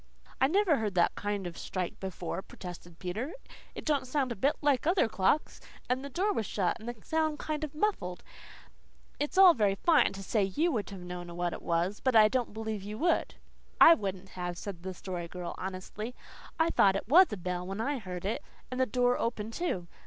"I never heard that kind of a strike before," protested Peter. "It don't sound a bit like other clocks. And the door was shut and the sound kind o' muffled. It's all very fine to say you would have known what it was, but I don't believe you would." "I wouldn't have," said the Story Girl honestly. "I thought it WAS a bell when I heard it, and the door open, too.